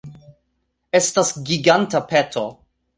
Estas giganta peto